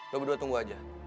lu berdua tunggu aja